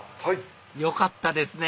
よかったですね！